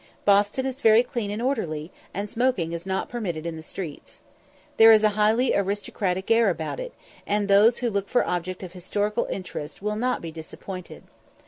Boston is very clean and orderly, and smoking is not permitted in the streets. There is a highly aristocratic air about it, and those who look for objects of historical interest will not be disappointed.